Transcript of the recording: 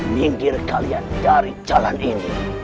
minggir kalian dari jalan ini